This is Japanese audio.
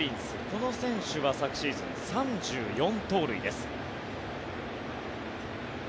この選手は昨シーズン３４盗塁です。